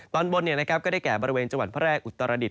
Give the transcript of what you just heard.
ตอนบนก็ได้แก่บริเวณจวันพระแรกอุธรดิต